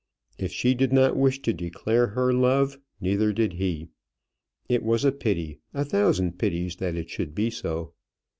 If she did not wish to declare her love, neither did he. It was a pity, a thousand pities, that it should be so.